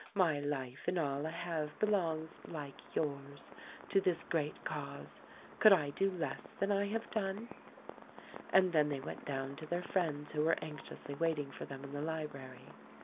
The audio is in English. My life and all I have belongs — like yours — to this great Cause. Could I do less than I have done ?" And then they went down to their friends who were anxiously waiting for them in the library.